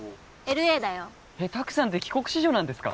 ＬＡだよえっ拓さんって帰国子女なんですか？